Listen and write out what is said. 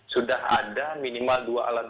sudah ada minimal dua alat